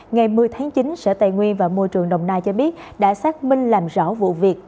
ngày một mươi tháng chín sở tài nguyên và môi trường đồng nai cho biết đã xác minh làm rõ vụ việc